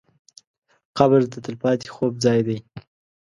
قبر د تل پاتې خوب ځای دی.